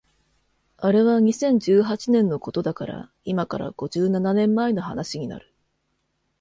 あれは二千十八年のことだから今から五十七年前の話になる